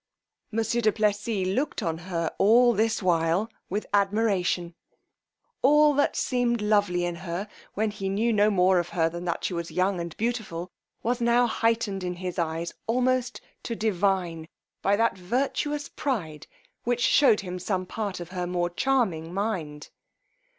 Monsieur du Plessis looked on her all this while with admiration: all that seemed lovely in her, when he knew no more of her than that she was young and beautiful, was now heightened in his eyes almost to divine, by that virtuous pride which shewed him some part of her more charming mind.